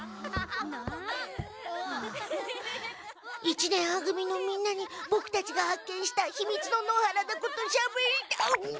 一年は組のみんなにボクたちが発見したひみつの野原のことしゃべりたい！